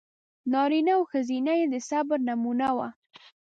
نارینه او ښځینه یې د صبر نمونه و.